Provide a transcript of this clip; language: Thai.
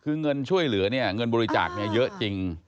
คือเงินช่วยเหลือเนี่ยเงินบริจาคเนี่ยเยอะจริง